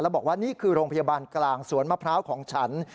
บอกว่านี่คือโรงพยาบาลกลางสวนมะพร้าวของฉัน